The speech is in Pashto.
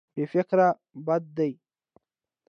بې فکري بد دی.